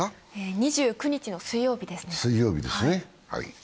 ２９日の水曜日です。